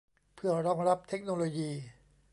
เพื่อรองรับเทคโนโลยี